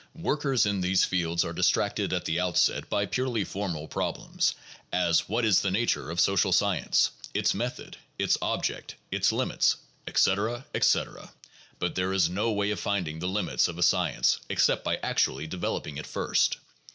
12 Work ers in these fields are distracted at the outset by purely formal prob lems, as what is the nature of social science, its method, its object, its limits, etc., etc. But there is no way of finding the limits of a science except by actually developing it first.